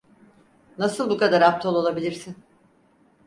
Nasıl bu kadar aptal olabilirsin?